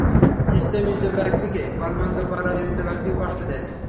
নিশ্চয় মৃত ব্যক্তিকে গালমন্দ করা জীবিত ব্যক্তিকে কষ্ট দেয়।